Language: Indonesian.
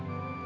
ya udah mpok